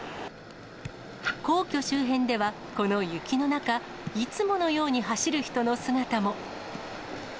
皇居周辺では、この雪の中、いつものように走る人の姿も。